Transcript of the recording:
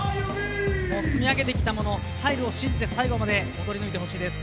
積み上げてきたものスタイルを信じて最後まで踊り抜いてほしいです。